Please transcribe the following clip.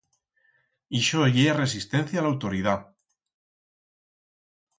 Ixo ye resistencia a l'autoridat.